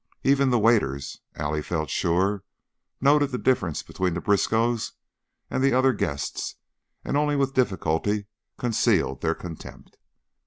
Even the waiters, Allie felt sure, noted the difference between the Briskows and the other guests, and only with difficulty concealed their contempt.